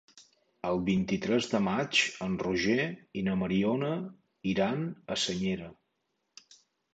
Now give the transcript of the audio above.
El vint-i-tres de maig en Roger i na Mariona iran a Senyera.